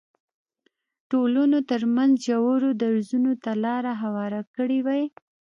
ټولنو ترمنځ ژورو درزونو ته لار هواره کړې وای.